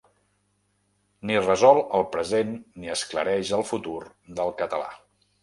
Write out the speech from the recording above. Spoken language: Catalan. Ni resol el present ni esclareix el futur del català.